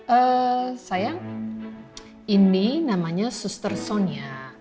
eh sayang ini namanya suster sonia